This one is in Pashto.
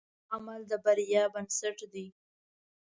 ښه عمل د بریا بنسټ دی.